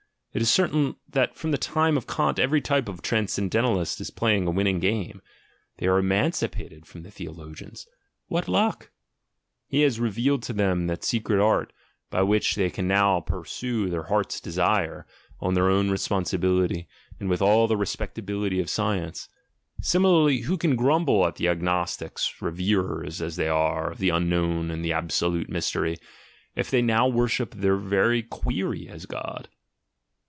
It is certain that from the time of Kant every type of transcendental ist is playing a winning game — they are emancipated from the theologians; what luck! — he has revealed to them that secret art, by which they can now pursue their "heart's desire" on their own responsibility, and with all the respec tability of science. Similarly, who can grumble at the agnostics, reverers, as they are, of the unknown and the absolute mystery, if they now worship their very query as God?